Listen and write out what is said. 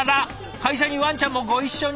会社にワンちゃんもご一緒に？